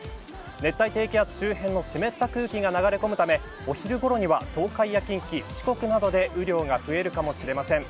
熱帯低気圧周辺の湿った空気が流れ込むためお昼ごろには、東海や近畿四国などで雨量が増えるかもしれません。